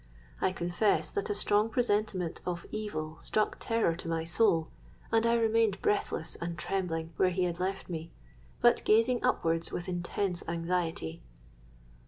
I confess that a strong presentiment of evil struck terror to my soul; and I remained breathless and trembling, where he had left me, but gazing upwards with intense anxiety.